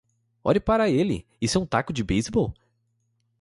Olhe para ele! Isso é um taco de beisebol?